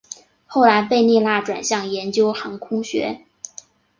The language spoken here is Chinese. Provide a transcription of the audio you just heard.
后来贝利纳转向研究航空学。